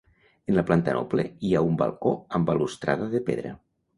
En la planta noble hi ha un balcó amb balustrada de pedra.